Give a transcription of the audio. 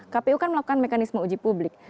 kpu kan melakukan mekanisme uji publik